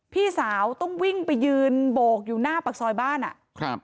พี่สาวต้องวิ่งไปยืนโบกอยู่หน้าปากซอยบ้านอ่ะครับ